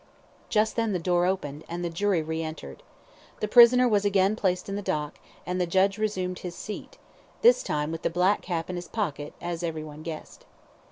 Just then the door opened, and the jury re entered. The prisoner was again placed in the dock, and the judge resumed his seat, this time with the black cap in his pocket, as everyone guessed.